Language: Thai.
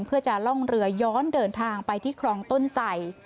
เพื่อจะล่องเรือย้อนเดินทางไปที่คลองต้นไส